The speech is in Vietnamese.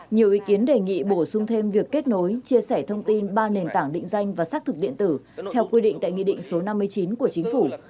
nhiều ý kiến đề nghị bổ sung thêm việc kết nối chia sẻ thông tin ba nền tảng định danh và xác thực điện tử theo quy định tại nghị định số năm mươi chín của chính phủ